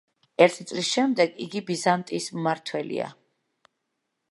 ერთი წლის შემდეგ იგი ბიზანტიის მმართველია.